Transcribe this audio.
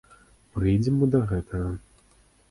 Прыйдзем мы да гэтага.